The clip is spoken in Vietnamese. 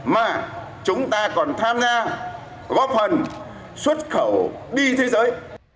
mà chúng ta còn tham gia góp phần xuất khẩu đi thế giới